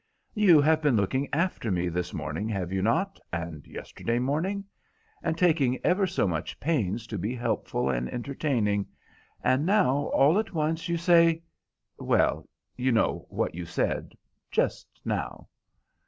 "You have been looking after me this morning, have you not, and yesterday morning? And taking ever so much pains to be helpful and entertaining, and now, all at once you say—Well, you know what you said just now."